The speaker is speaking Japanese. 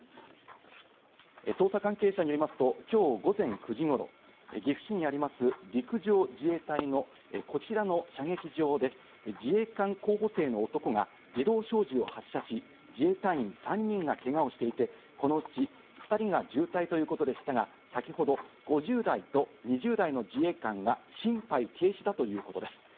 捜査関係者によりますと、きょう午前９時ごろ、岐阜市にあります、陸上自衛隊のこちらの射撃場で自衛官候補生の男が自動小銃を発射し、自衛隊員３人がけがをしていて、このうち２人が重体ということでしたが、先ほど５０代と２０代の自衛官が心肺停止ということです。